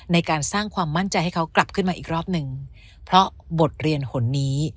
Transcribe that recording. ในการสร้างความมั่นใจให้เขากลับขึ้นมาอีกรอบหนึ่งเพราะบทเรียนหนนี้